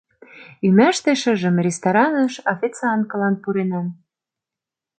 Ӱмаште шыжым рестораныш официанткылан пуренам.